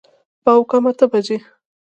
پاو کم اته بجې وې.